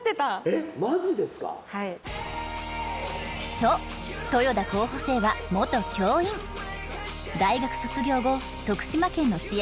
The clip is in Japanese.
そう豊田候補生は教員大学卒業後徳島県の支援